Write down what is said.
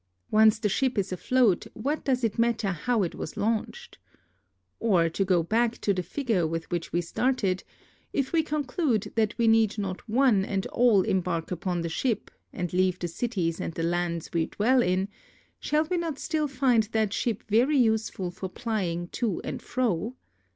Once tl^e ship is afloat what does it matter how it was launched ? Or, to go back to the figure with which we started, if we conclude that we need not one and all embark upon the ship, and leave the cities and the lands we dwell in, shall we not still find that ship very useful for plying to and fro?